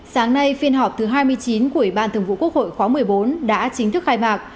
sáng nay phiên họp thứ hai mươi chín của ủy ban thường vụ quốc hội khóa một mươi bốn đã chính thức khai mạc